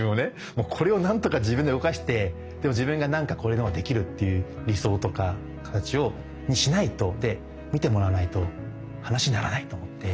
もうこれを何とか自分で動かして自分が何かこれでもできるっていう理想とか形にしないとで見てもらわないと話にならないと思って。